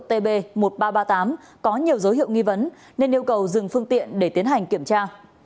tb một nghìn ba trăm ba mươi tám có nhiều dấu hiệu nghi vấn nên yêu cầu dừng phương tiện để tiến hành kiểm tra